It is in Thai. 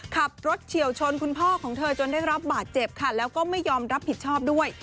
ขับรถเฉียวชนคุณพ่อของเธอจนได้รับบาดเจ็บค่ะแล้วก็ไม่ยอมรับผิดชอบด้วย